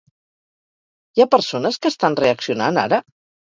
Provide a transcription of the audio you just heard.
Hi ha persones que estan reaccionant ara?